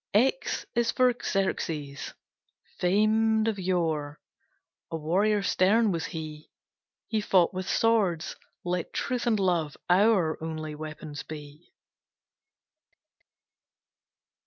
X X is for Xerxes, famed of yore; A warrior stern was he He fought with swords; let truth and love Our only weapons be.